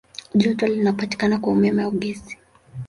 Joto linapatikana kwa umeme au gesi.